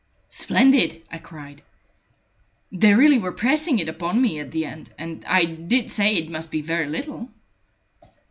"Splendid!" I cried. "They really were pressing it upon me at the end, and I did say it must be very little."